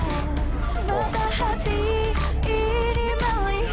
gak pernah masih tipe cowok